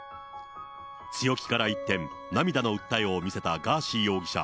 強気から一転、涙の訴えを見せたガーシー容疑者。